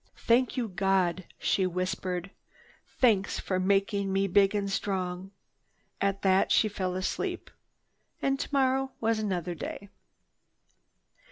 "Thank you, God!" she whispered. "Thanks for making me big and strong!" At that she fell asleep. And tomorrow was another day.